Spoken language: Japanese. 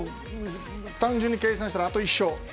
単純に計算したら、あと１勝。